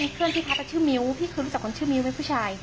ครับ